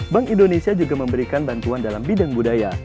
bank indonesia juga memberikan bantuan dalam bidang budaya